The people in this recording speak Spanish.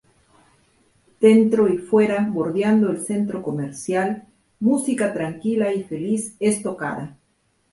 Dentro y fuera, bordeando el centro comercial, música tranquila y feliz es tocada.